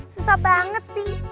susah banget sih